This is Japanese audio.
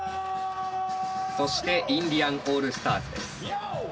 そしてインディアン・オールスターズです。